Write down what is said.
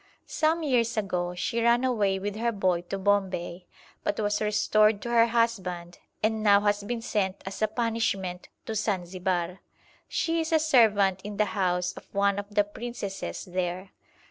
Some years ago she ran away with her boy to Bombay, but was restored to her husband, and now has been sent as a punishment to Zanzibar; she is a servant in the house of one of the princesses there.